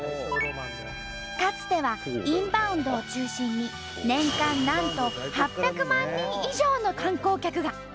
かつてはインバウンドを中心に年間なんと８００万人以上の観光客が。